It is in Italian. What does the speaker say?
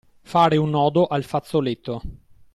Fare un nodo al fazzoletto.